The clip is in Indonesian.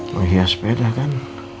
menghias peda kan